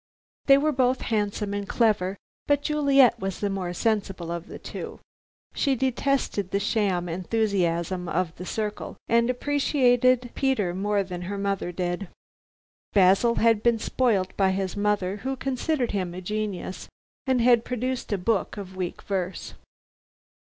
They were both handsome and clever, but Juliet was the more sensible of the two. She detested the sham enthusiasm of The Circle, and appreciated Peter more than her mother did. Basil had been spoilt by his mother, who considered him a genius, and had produced a book of weak verse.